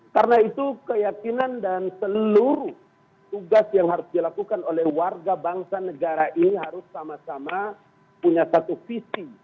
karena itu keyakinan dan seluruh tugas yang harus dilakukan oleh warga bangsa negara ini harus sama sama punya satu visi